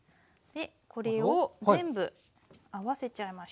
これを全部合わせちゃいましょう。